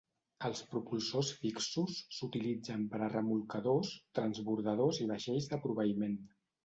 Els propulsors fixos s'utilitzen per a remolcadors, transbordadors i vaixells de proveïment.